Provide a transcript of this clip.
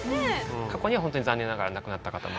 過去にはホントに残念ながら亡くなった方も。